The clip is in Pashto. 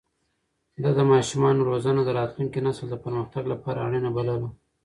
ده د ماشومانو روزنه د راتلونکي نسل د پرمختګ لپاره اړينه بلله.